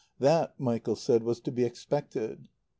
That, Michael said, was to be expected.